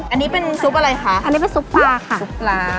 อันนี้เป็นซุปอะไรคะอันนี้เป็นซุปปลาค่ะซุปลา